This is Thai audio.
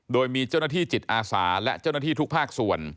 โดยมีเจ้าหน้าที่จิตอาสาและเจ้าหน้าที่ทุกภาคส่วน